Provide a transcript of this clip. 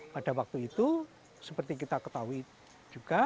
pada waktu itu seperti kita ketahui juga